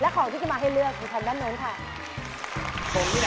แล้วของที่จะมาให้เลือกสำคัญบ้านโบ๊คค่ะ